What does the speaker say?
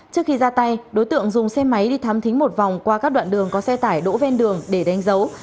trước khi ra tay đối tượng dùng xe máy đi thám thính một vòng qua các đoạn đường có xe tải đỗ ven đường để đánh dấu